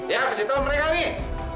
ya ke situ mereka nih